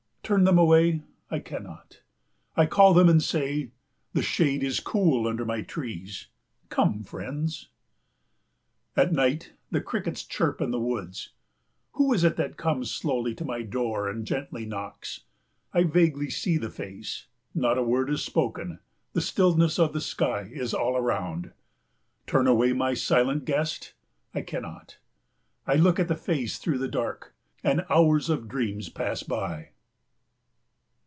Turn them away I cannot. I call them and say, "The shade is cool under my trees. Come, friends." At night the crickets chirp in the woods. Who is it that comes slowly to my door and gently knocks? I vaguely see the face, not a word is spoken, the stillness of the sky is all around. Turn away my silent guest I cannot. I look at the face through the dark, and hours of dreams pass by.